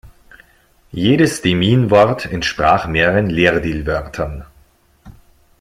Jedes Demiin-Wort entsprach mehreren Leerdil-Wörtern.